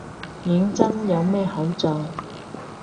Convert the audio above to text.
認真，有咩好做